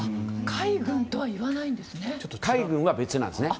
海軍とは言わないんですね。